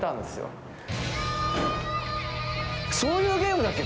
そういうゲームだっけ？